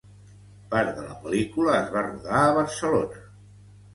Part de la pel·lícula es va rodar a Barcelona.